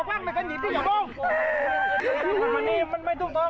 มันจะต้องได้เต็กเลยมันต้องต้องต้อง